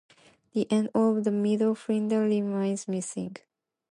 The end of the middle finger remains missing.